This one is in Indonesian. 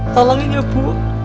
tolongin ya bu